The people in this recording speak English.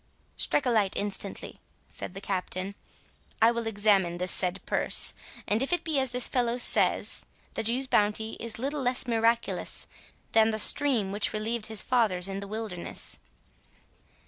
"Strike a light instantly," said the Captain; "I will examine this said purse; and if it be as this fellow says, the Jew's bounty is little less miraculous than the stream which relieved his fathers in the wilderness."